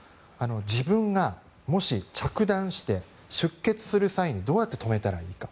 自分がもし、着弾して出血する際にどうやって止めたらいいのか。